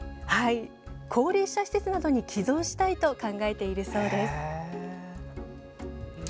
高齢者施設などに寄贈したいと考えているそうです。